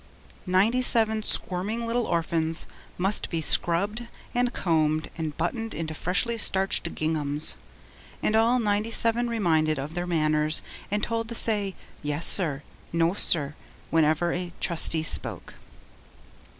Ninety seven squirming little orphans must be scrubbed and combed and buttoned into freshly starched ginghams; and all ninety seven reminded of their manners, and told to say, 'Yes, sir,' 'No, sir,' whenever a Trustee spoke.